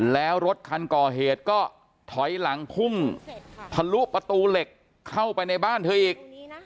แล้วรถคันก่อเหตุก็ถอยหลังพุ่งทะลุประตูเหล็กเข้าไปในบ้านเธออีก